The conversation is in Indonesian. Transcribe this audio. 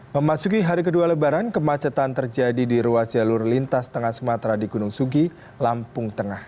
memasuki hari kedua lebaran kemacetan terjadi di ruas jalur lintas tengah sumatera di gunung sugi lampung tengah